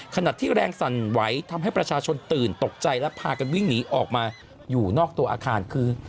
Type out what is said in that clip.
ขณะที่แรงสั่นไหวทำให้ประชาชนตื่นตกใจและพากันวิ่งหนีออกมาอยู่นอกตัวอาคารคือ